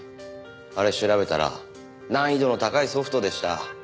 あれ調べたら難易度の高いソフトでした。